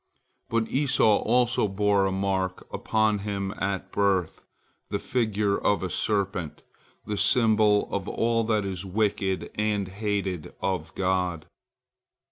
But Esau also bore a mark upon him at birth, the figure of a serpent, the symbol of all that is wicked and hated of God.